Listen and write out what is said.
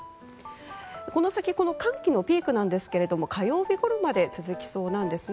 この先この寒気のピークなんですが火曜日ごろまで続きそうなんですね。